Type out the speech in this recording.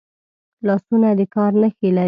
لاسونه د کار نښې لري